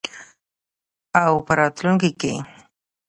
او په راتلونکي کې.